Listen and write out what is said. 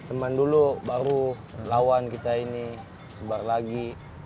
teman dulu baru lawan kita ini sebar lagi